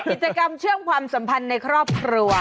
กิจกรรมเชื่อมความสัมพันธ์ในครอบครัว